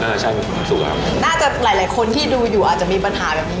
น่าจะหลายคนที่ดูอยู่อาจจะมีปัญหาแบบนี้